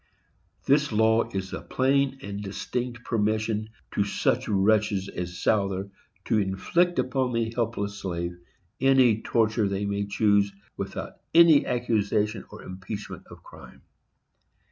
This law is a plain and distinct permission to such wretches as Souther to inflict upon the helpless slave any torture they may choose, without any accusation or impeachment of crime.